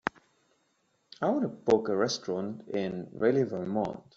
I want to book a restaurant in Reily Vermont.